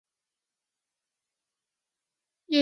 夜景真的超难拍